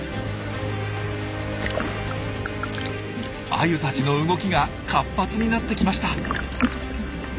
アユたちの動きが活発になってきました。